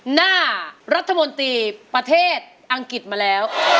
หน้ารัฐมนตรีประเทศอังกฤษมาแล้ว